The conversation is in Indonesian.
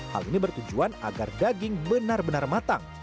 hal ini bertujuan agar daging benar benar matang